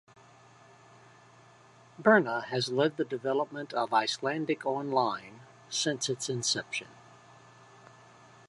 Birna has led the development of "Icelandic Online" since its inception.